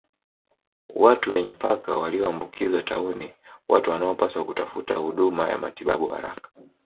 Watu wenye paka walioambukizwa tauni Watu wanaopaswa kutafuta huduma ya matibabu haraka